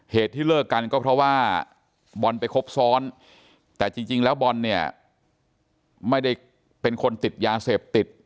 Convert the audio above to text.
เหตุที่เลิกกันก็เพราะว่าบอลไปครบซ้อนแต่จริงแล้วบอลเนี่ยไม่ได้เป็นคนติดยาเสพติด